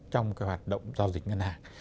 trong cái hoạt động giao dịch ngân hàng